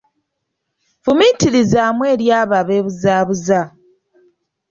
Fumiitirizaamu eri abo abeebuzaabuza.